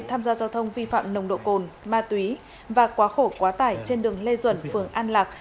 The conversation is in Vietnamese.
tham gia giao thông vi phạm nồng độ cồn ma túy và quá khổ quá tải trên đường lê duẩn phường an lạc